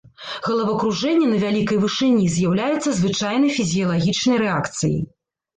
Галавакружэнне на вялікай вышыні з'яўляецца звычайнай фізіялагічнай рэакцыяй.